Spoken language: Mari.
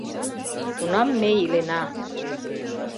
Тунам ме илена.